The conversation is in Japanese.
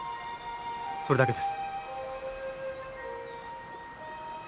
それだけです。